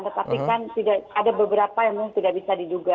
tetapi kan ada beberapa yang mungkin tidak bisa diduga